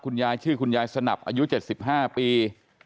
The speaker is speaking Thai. คุณยายชื่อคุณยายสนับอายุ๗๕ปี